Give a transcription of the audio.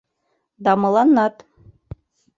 Да мыланнат.